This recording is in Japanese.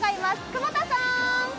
久保田さん！